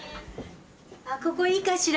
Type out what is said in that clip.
あここいいかしら？